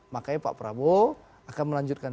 makanya pak prabowo akan melanjutkan